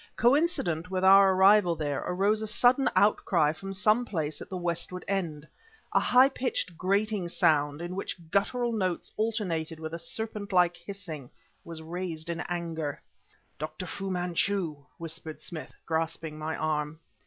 Coincident with our arrival there, arose a sudden outcry from some place at the westward end. A high pitched, grating voice, in which guttural notes alternated with a serpent like hissing, was raised in anger. "Dr. Fu Manchu!" whispered Smith, grasping my arm.